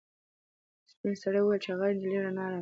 سپین سرې وویل چې هغه نجلۍ رڼا راوړي.